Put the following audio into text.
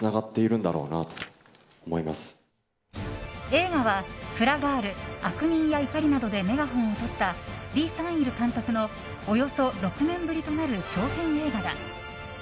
映画は「フラガール」「悪人」や「怒り」などでメガホンをとった李相日監督のおよそ６年ぶりとなる長編映画だ。